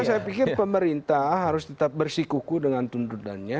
tapi saya pikir pemerintah harus tetap bersikuku dengan tuntutannya